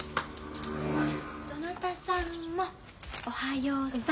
どなたさんもおはようさん。